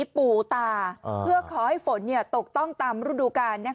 ปู่ตาเพื่อขอให้ฝนตกต้องตามฤดูกาล